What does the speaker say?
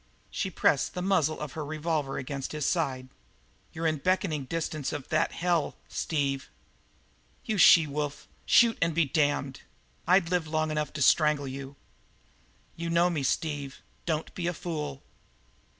She pressed the muzzle of her revolver against his side. "You're in beckoning distance of that hell, Steve!" "You she wolf shoot and be damned! I'd live long enough to strangle you." "You know me, Steve; don't be a fool."